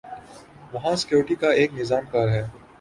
وہاں سکیورٹی کا ایک نظام کار ہے۔